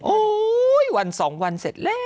วัน๒วันเสร็จแล้ว